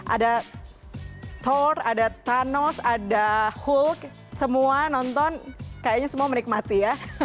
ada thor ada thanos ada hulk semua nonton kayaknya semua menikmati ya